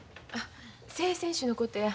正選手のことや。